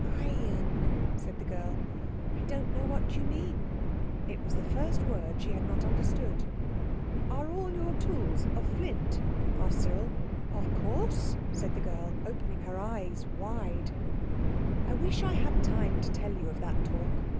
"Iron," said the girl, "I don't know what you mean." It was the first word she had not understood. "Are all your tools of flint?" asked Cyril. "Of course," said the girl, opening her eyes wide. I wish I had time to tell you of that talk.